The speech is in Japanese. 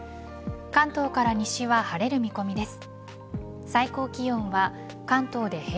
関東から西は晴れる見込みです。